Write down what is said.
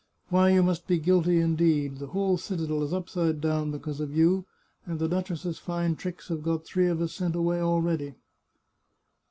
Why, you must be guilty indeed! The whole citadel is upside down because of you, and the duchess's fine tricks have got three of us sent away already."